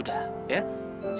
sudah jangan sedih lagi ya